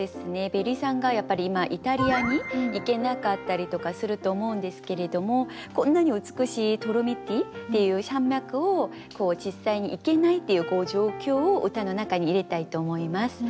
ベリさんがやっぱり今イタリアに行けなかったりとかすると思うんですけれどもこんなに美しいドロミティっていう山脈を実際に行けないっていう状況を歌の中に入れたいと思います。